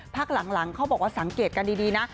พักหลังเขาบอกว่าสังเกตกันดีนะ